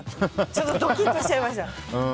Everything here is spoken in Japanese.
ちょっとドキっとしちゃいました。